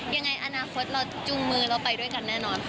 ยังไงอนาคตเราจูงมือแล้วไปด้วยกันแน่นอน